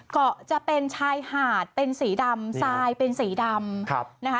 เกาะจะเป็นชายหาดเป็นสีดำซายเป็นสีดำ